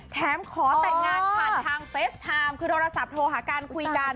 แถมขอแต่งงานผ่านทางเฟสไทม์คือโทรศัพท์โทรหาการคุยกัน